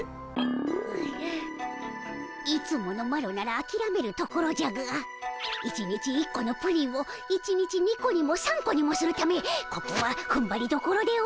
うぐいつものマロならあきらめるところじゃが１日１個のプリンを１日２個にも３個にもするためここはふんばりどころでおじゃる。